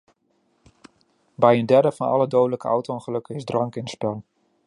Bij een derde van alle dodelijke auto-ongelukken is drank in het spel.